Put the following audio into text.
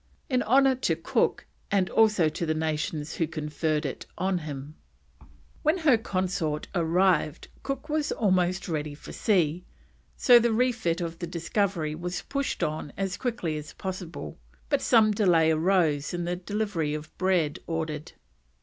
An honour to Cook, and also to the nations who conferred it on him. When her consort arrived Cook was almost ready for sea, so the refit of the Discovery was pushed on as quickly as possible, but some delay arose in the delivery of bread ordered.